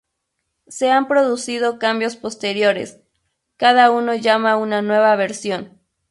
Se han producido cambios posteriores, cada uno llama una nueva "versión".